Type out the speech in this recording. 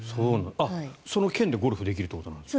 その券でゴルフできるということですか？